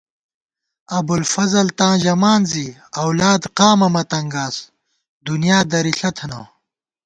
ابُوالفضل تاں ژمان زِی اؤلاد قامہ مہ تنگاس دُنیا درِݪہ تھنہ